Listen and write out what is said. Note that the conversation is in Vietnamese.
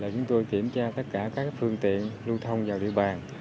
chúng tôi kiểm tra tất cả các phương tiện lưu thông vào địa bàn